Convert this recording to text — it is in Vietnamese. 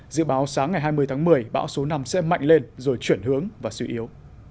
dự báo sáng ngày hai mươi tháng một mươi bão số năm sẽ mạnh lên rồi chuyển hướng và suy yếu